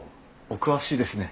お詳しいですね。